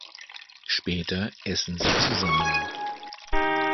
Später essen sie zusammen.